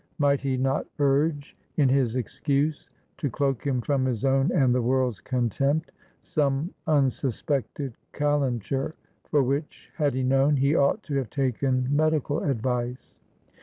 Might he not urge in his excuse, to cloak him from his own and the world's contempt, some unsuspected calenture, for which, had he known, he ought to have taken medical advice?